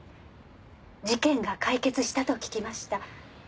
事件が解決したと聞きました。